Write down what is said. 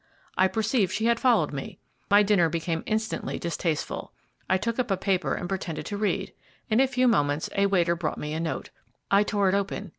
I perceived she had followed me. My dinner became instantly distasteful. I took up a paper and pretended to read. In a few moments a waiter brought me a note. I tore it open.